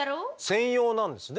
専用なんですね